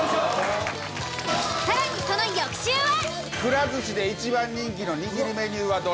更にその翌週は。